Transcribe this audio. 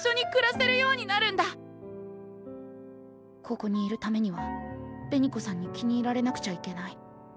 ここにいるためには紅子さんに気に入られなくちゃいけない。